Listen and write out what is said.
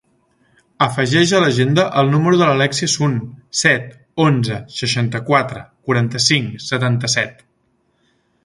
Afegeix a l'agenda el número de l'Alèxia Sun: set, onze, seixanta-quatre, quaranta-cinc, setanta-set.